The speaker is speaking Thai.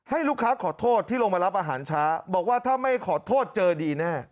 ให้ลูกค้าขอโทษที่ลงมารับอาหารช้าบอกว่าถ้าไม่ขอโทษเจอดีแน่